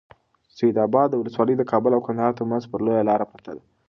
سید اباد ولسوالي د کابل او کندهار ترمنځ پر لویه لاره پرته ده.